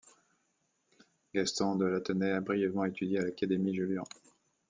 Gaston de Latenay a brièvement étudié à l'Académie Julian.